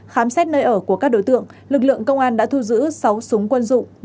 khám xét nơi ở của các đối tượng lực lượng công an đã thu giữ sáu súng quân dụng